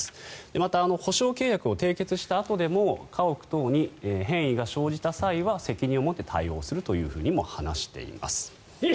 また補償契約を締結したあとでも家屋等に変異が生じた際は責任を持って対応するとも話しています。